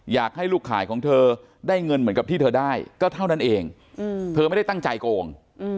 อยากให้ลูกขายของเธอได้เงินเหมือนกับที่เธอได้ก็เท่านั้นเองเธอไม่ได้ตั้งใจโกง